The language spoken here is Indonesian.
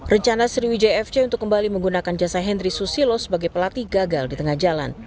rencana sriwijaya fc untuk kembali menggunakan jasa henry susilo sebagai pelatih gagal di tengah jalan